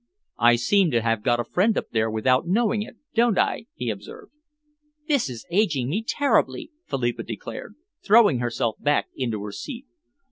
"I seem to have got a friend up there without knowing it, don't I?" he observed. "This is aging me terribly," Philippa declared, throwing herself back into her seat.